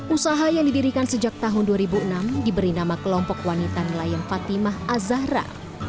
usaha yang didirikan sejak tahun dua ribu enam diberi nama kelompok wanita nelayan fatimah azahra